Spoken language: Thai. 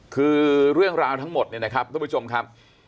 คือเรื่องราวทั้งหมดเนี่ยนะครับทุกผู้ชมครับ